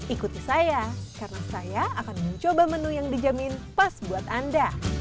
ikuti saya karena saya akan mencoba menu yang dijamin pas buat anda